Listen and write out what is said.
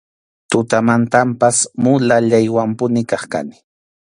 Tutamantanpas mulallaywanpuni kaq kani.